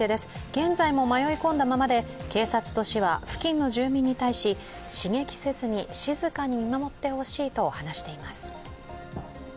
現在も迷い込んだままで警察と市は付近の住民に対し刺激せずに静かに見守ってほしいと話していますう。